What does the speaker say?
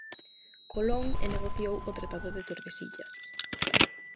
Colón e negociou o Tratado de Tordesillas.